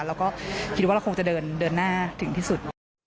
เราก็คิดว่าเราคงจะเดินหน้าถึงที่สุด